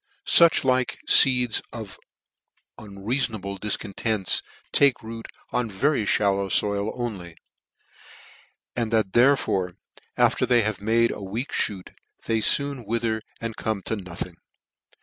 fiich like feeds of unreaforuble difcontents, take root on very Shallow foil only; and that therefore, after they have made a weak, moot, they foon wither and come to nothing.